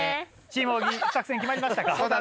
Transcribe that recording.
チーム小木作戦決まりましたか？